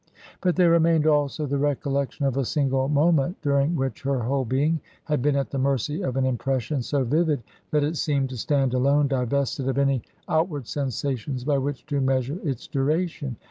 But there remained also the recollection of a single moment during which her whole being had been at the mercy of an impression so vivid that it seemed to stand alone divested of any outward sensations by which to measure its duration.